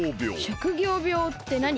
職業病ってなに？